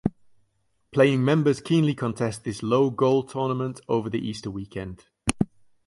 Playing members keenly contest this Low Goal Tournament over the Easter weekend.